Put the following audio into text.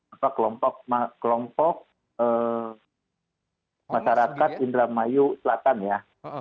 apa kelompok masyarakat indramayu selatan ya